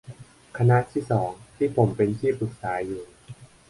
คณะที่สอง ที่ผมเป็นที่ปรึกษาอยู่